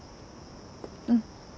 うん。